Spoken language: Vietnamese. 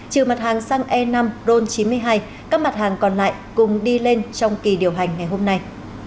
trừ mặt hàng xăng e năm ron chín mươi hai các mặt hàng còn lại cùng đi lên trong kỳ điều hành ngày hôm nay